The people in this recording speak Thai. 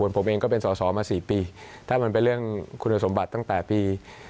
ผมเองก็เป็นสอสอมา๔ปีถ้ามันเป็นเรื่องคุณสมบัติตั้งแต่ปี